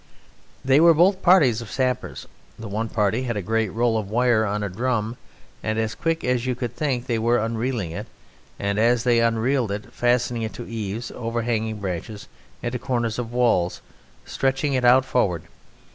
They were both parties of sappers. The one party had a great roll of wire on a drum, and as quick as you could think they were unreeling it, and as they unreeled it fastening it to eaves, overhanging branches, and to corners of walls, stretching it out forward.